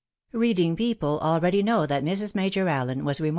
11 Reading people already know that Mrs. Major Allen was renr.